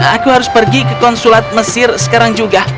aku harus pergi ke konsulat mesir sekarang juga